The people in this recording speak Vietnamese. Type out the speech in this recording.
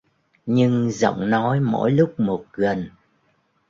Nhưng giọng nói mỗi lúc một gần